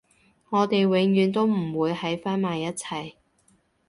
我哋永遠都唔會喺返埋一齊